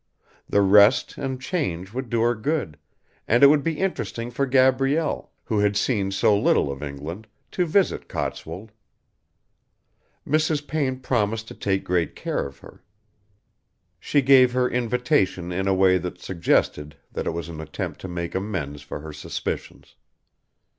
The rest and change would do her good, and it would be interesting for Gabrielle, who had seen so little of England, to visit Cotswold. Mrs. Payne promised to take great care of her. She gave her invitation in a way that suggested that it was an attempt to make amends for her suspicions.